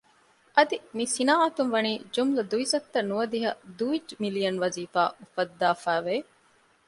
އަދި މި ޞިނާޢަތުން ވަނީ ޖުމުލަ ދުވިސައްތަ ނުވަދިހަ ދުވި މިލިއަން ވަޒީފާ އުފައްދާފައި ވެ